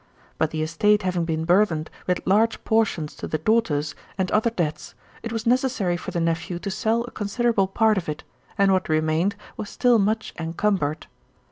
But the estate having been burthened with large portions to the daughters, and other debts, it was necessary for the nephew to sell a considerable part of it, and what remained was still much encumbered.